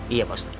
iya pak ustadz